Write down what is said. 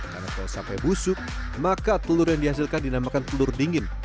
karena kalau sampai busuk maka telur yang dihasilkan dinamakan telur dingin